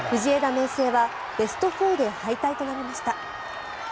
明誠はベスト４で敗退となりました。